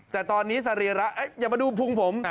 แต่ตอนนี้สรีระอย่ามาดูพุงผม